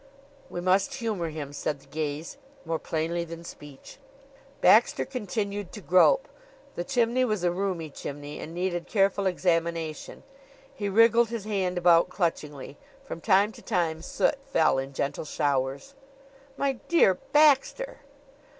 "We must humor him," said the gaze, more plainly than speech. Baxter continued to grope. The chimney was a roomy chimney, and needed careful examination. He wriggled his hand about clutchingly. From time to time soot fell in gentle showers. "My dear Baxter!"